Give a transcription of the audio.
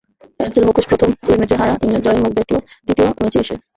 হেলসের মুখোশপ্রথম দুই ম্যাচে হারা ইংল্যান্ড জয়ের মুখ দেখল তৃতীয় ম্যাচে এসে।